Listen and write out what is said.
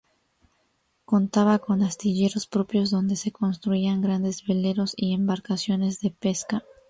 Contaba con astilleros propios donde se construían grandes veleros y embarcaciones de pesca.